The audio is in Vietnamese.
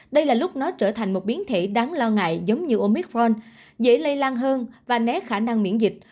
đây là lúc nó trở thành một biến thể đáng lo ngại giống như omitforn dễ lây lan hơn và né khả năng miễn dịch